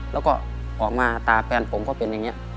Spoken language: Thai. แล้วก็ออกมาตาแฟนผมก็เป็นอย่างนี้